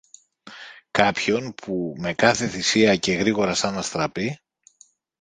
κάποιον που, με κάθε θυσία και γρήγορα σαν αστραπή